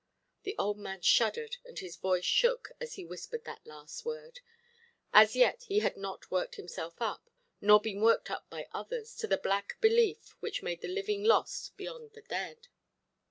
The old man shuddered, and his voice shook, as he whispered that last word. As yet he had not worked himself up, nor been worked up by others, to the black belief which made the living lost beyond the dead.